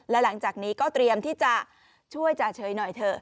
และหลังจากนี้ก็เตรียมที่จะช่วยจ่าเฉยหน่อยเถอะ